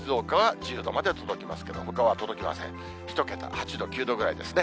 １桁、８度、９度ぐらいですね。